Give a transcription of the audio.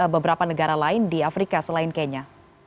beberapa negara lain di afrika selain kenya